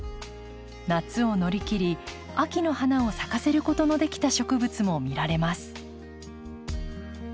夏を乗り切り秋の花を咲かせることのできた植物も見られます。